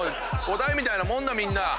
答えみたいなもんだみんな。